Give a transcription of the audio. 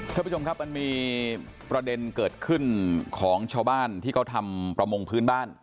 ท่านผู้ชมครับมันมีประเด็นเกิดขึ้นของชาวบ้านที่เขาทำประมงพื้นบ้าน